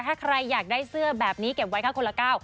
ถ้าใครอยากได้เสื้อแบบนี้เก็บไว้ค่ะคนละก้าว